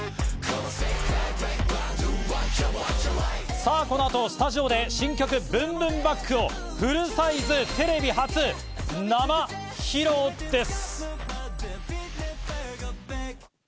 さぁ、この後、スタジオで新曲『ＢｏｏｍＢｏｏｍＢａｃｋ』をフルサイズ、テレビ初生披露です。